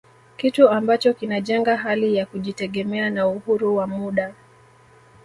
Kitu ambacho kinajenga hali ya kujitegemea na uhuru wa muda